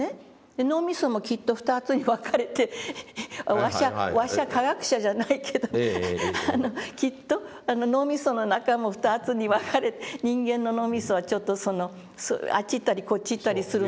脳みそもきっと２つに分かれて「わしゃ科学者じゃないけどきっと脳みその中も２つに分かれて人間の脳みそはちょっとあっち行ったりこっち行ったりする脳みそ」。